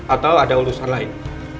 atau ada urusan lain